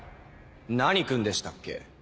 何君でしたっけ？